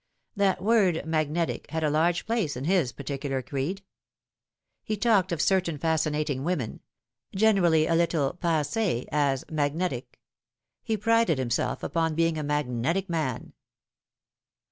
That word magnetic had a large place in his particular creed. He talked of certain fascinating women generally a little passee as " magnetic." He prided himself upon being a magnetic man.